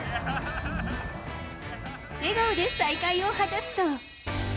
笑顔で再会を果たすと。